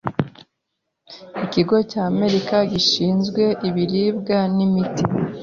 ikigo cya Amerika Gishinzwe Ibiribwa n’Imiti,